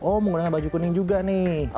oh menggunakan baju kuning juga nih